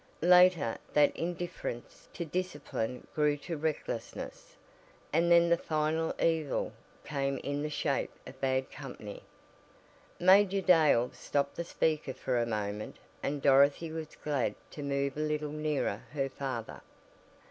Later that indifference to discipline grew to recklessness, and then the final evil came in the shape of bad company." Major Dale stopped the speaker for a moment and Dorothy was glad to move a little nearer her father.